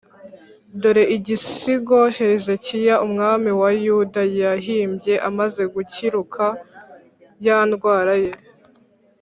Dore igisigo Hezekiya, umwami wa Yuda, yahimbye amaze gukiruka ya ndwara ye.